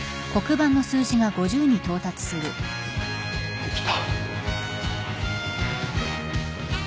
できた。